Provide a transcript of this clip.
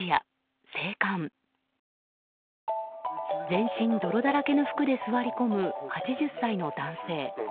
全身泥だらけの服で座り込む８０歳の男性。